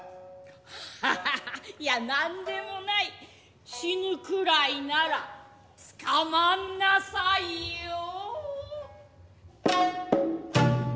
ハハハいやなんでもない死ぬくらいなら捕まんなさいよ！